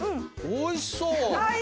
おいしそう！